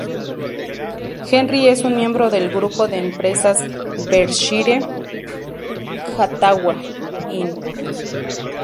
Gen Re es un miembro del grupo de empresas Berkshire Hathaway Inc.